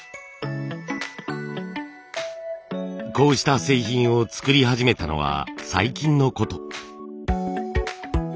こうした製品を作り始めたのは最近のこと。